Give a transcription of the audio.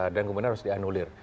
dan kemudian harus dianulir